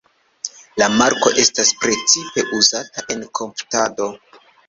La marko estas precipe uzata en komputado.